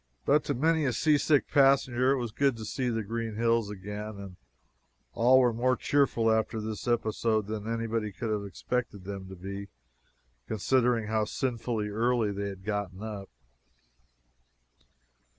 But to many a seasick passenger it was good to see the green hills again, and all were more cheerful after this episode than anybody could have expected them to be, considering how sinfully early they had gotten up.